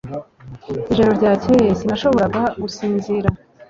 Ijoro ryakeye sinashoboraga gusinzira